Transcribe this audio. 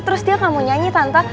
terus dia ngomong nyanyi tante